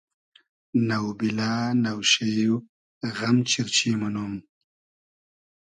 نۆبیلۂ نۆشېۉ غئم چیرچی مونوم